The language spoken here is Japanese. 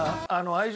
愛情？